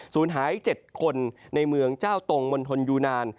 หาย๗คนในเมืองเจ้าตรงมณฑลยูนาน